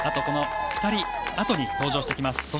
この２人あとに登場してきます。